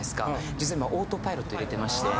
実は今オートパイロット入れてまして。